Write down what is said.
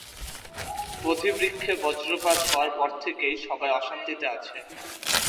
বোধিবৃক্ষে বজ্রপাত হওয়ার পর থেকেই সবাই অশান্তিতে আছে।